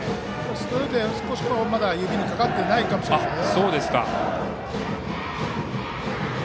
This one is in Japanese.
ストレートはまだ指にかかっていないかもしれませんね。